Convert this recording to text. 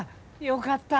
よかった。